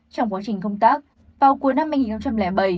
trong quá trình công tác vào cuối năm hai nghìn bảy